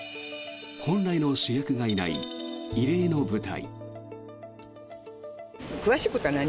本来の主役がいない異例の舞台。